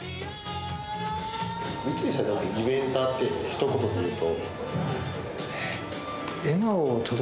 三井さんにとってイベンターってひと言で言うと。